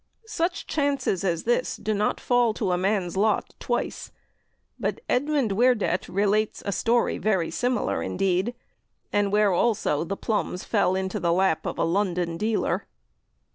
Such chances as this do not fall to a man's lot twice; but Edmond Werdet relates a story very similar indeed, and where also the "plums" fell into the lap of a London dealer.